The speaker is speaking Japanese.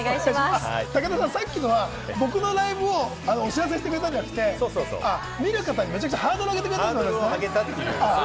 武田さん、さっきのは僕のライブをお知らせしてくれたんじゃなくて、見る方のハードルをめちゃくちゃ上げてくれたんですね。